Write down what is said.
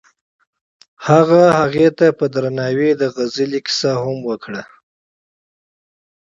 هغه هغې ته په درناوي د غزل کیسه هم وکړه.